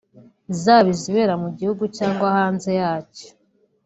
zaba izibera mu gihugu cyangwa hanze yacyo